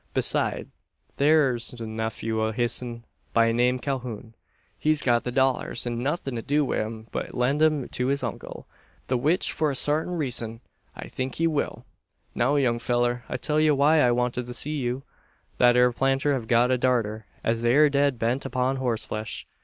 Beside, thur's a nephew o' hisn, by name Calhoun. He's got the dollars, an nothin' to do wi' 'em but lend 'em to his uncle the which, for a sartin reezun, I think he will. Now, young fellur, I'll tell ye why I wanted to see you. Thet 'ere planter hev got a darter, as air dead bent upon hossflesh.